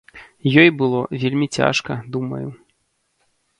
Ёй было вельмі цяжка, думаю.